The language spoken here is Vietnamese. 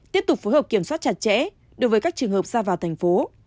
tiếp tục phối hợp kiểm soát chặt chẽ đối với các trường hợp ra vào thành phố